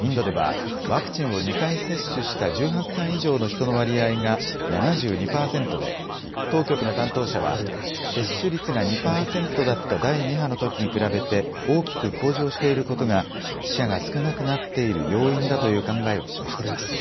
インドでは、ワクチンを２回接種した１８歳以上の人の割合が７２％で、当局の担当者は、接種率が２％だった第２波のときに比べて大きく向上していることが、死者が少なくなっている要因だという考えを示しています。